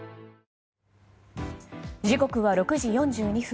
時刻は６時４２分。